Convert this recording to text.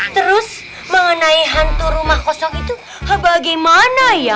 terus mengenai hantu rumah kosong itu bagaimana ya